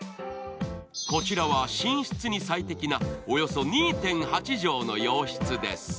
こちらは寝室に最適なおよそ２．８畳の洋室です。